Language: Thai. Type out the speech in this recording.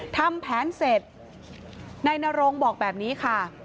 ทำแผนเสร็จนายนโรงบอกแบบนี้ค่ะ